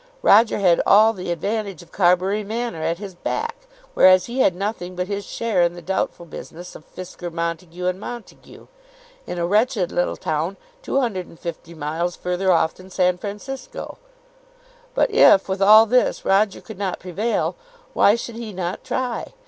Roger had all the advantage of Carbury Manor at his back, whereas he had nothing but his share in the doubtful business of Fisker, Montague, and Montague, in a wretched little town 250 miles further off than San Francisco! But if, with all this, Roger could not prevail, why should he not try?